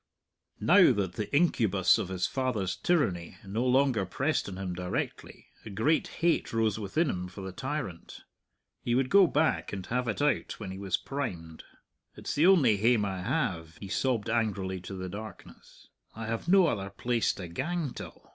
Now that the incubus of his father's tyranny no longer pressed on him directly, a great hate rose within him for the tyrant. He would go back and have it out when he was primed. "It's the only hame I have," he sobbed angrily to the darkness; "I have no other place to gang till!